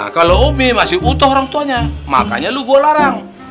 kalau umi masih utuh orangtuanya makanya lu gue larang